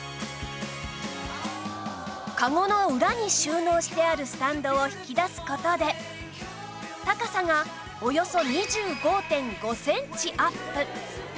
カゴの裏に収納してあるスタンドを引き出す事で高さがおよそ ２５．５ センチアップ